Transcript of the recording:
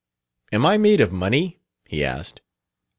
"Am I made of money?" he asked.